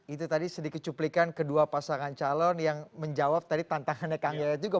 itu tadi sedikit cuplikan kedua pasangan calon yang menjawab tadi tantangannya kang yayat juga